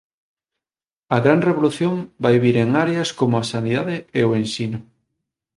A gran revolución vai vir en áreas como a sanidade e o ensino.